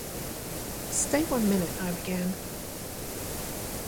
‘Stay one minute,’ I began.